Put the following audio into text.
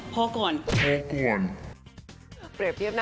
โคเครียดเลยน่ะ